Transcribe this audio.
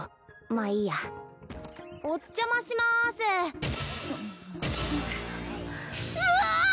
まあいいやおっ邪魔しまーすうわあ！